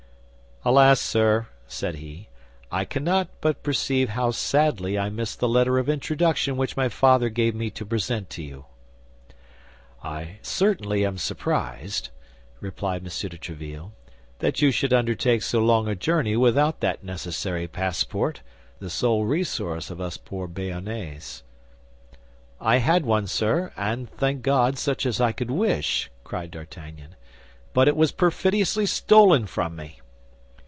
"Alas, sir," said he, "I cannot but perceive how sadly I miss the letter of introduction which my father gave me to present to you." "I certainly am surprised," replied M. de Tréville, "that you should undertake so long a journey without that necessary passport, the sole resource of us poor Béarnese." "I had one, sir, and, thank God, such as I could wish," cried D'Artagnan; "but it was perfidiously stolen from me."